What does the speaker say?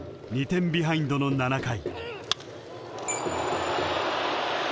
［１点ビハインドの九回］